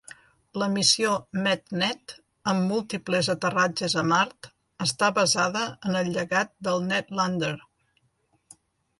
La missió MetNet amb múltiples aterratges a Mart està basada en el llegat del NetLander.